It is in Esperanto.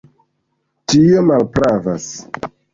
Tio malpravas.